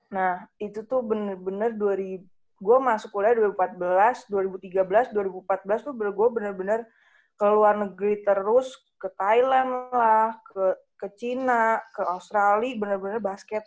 nah itu tuh bener bener gue masuk kuliah dua ribu empat belas dua ribu tiga belas dua ribu empat belas tuh gue bener bener ke luar negeri terus ke thailand lah ke china ke australia benar benar basket